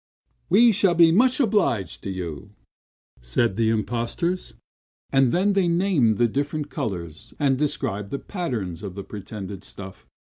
"We shall be much obliged to you," said the impostors, and then they named the different colors and described the pattern of the pretended stuff.